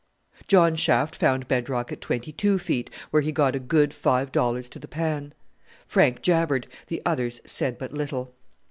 John's shaft found bed rock at twenty two feet, where he got a good five dollars to the pan. Frank jabbered; the others said but little.